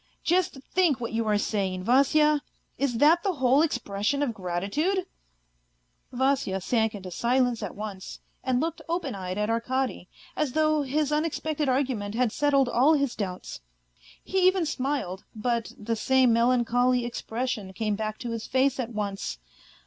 Just think what you are saying, Vasya ? Is that the whole expression of gratitude ?" Vasya sank into silence at once, and looked open eyed at Arkady, as though his unexpected argument had settled all his doubts. He even smiled, but the same melancholy expression came back to his face at once.